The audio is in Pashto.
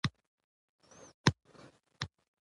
ننګرهار د افغانستان د جغرافیوي تنوع مثال دی.